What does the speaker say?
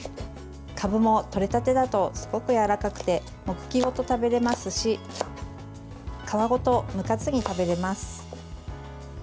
かぶも、とれたてだとすごくやわらかくて茎ごと食べられますし皮ごとむかずに食べれます。